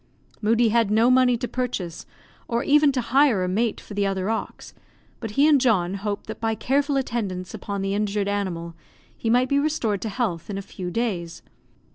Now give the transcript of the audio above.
Moodie had no money to purchase, or even to hire a mate for the other ox; but he and John hoped that by careful attendance upon the injured animal he might be restored to health in a few days.